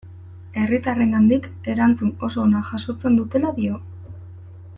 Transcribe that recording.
Herritarrengandik erantzun oso ona jasotzen dutela dio.